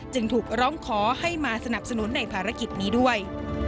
จึงถูกร้องขอให้มาสนับสนุนในภารกิจนี้ด้วย